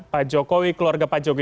pak jokowi keluarga pak jokowi